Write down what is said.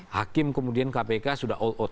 hakim kemudian kpk sudah all out